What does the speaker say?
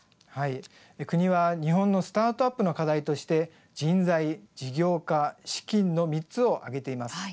国は日本のスタートアップの課題として人材、事業化、資金の３つを挙げています。